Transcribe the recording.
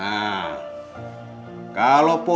gua iya pak enget halo alat posisi kau sekarang seperti tiga